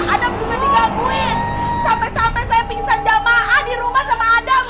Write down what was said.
adam bunga digakuin sampai sampai saya pingsan jamaah di rumah sama adam